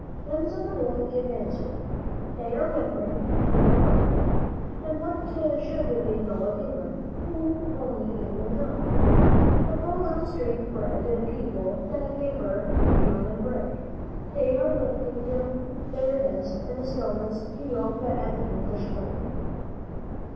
Winds of the World, give answer! They are whimpering to and fro And what should they know of England who only England know? The poor little street bred people that vapour and fume and brag, They are lifting their heads in the stillness to yelp at the English Flag!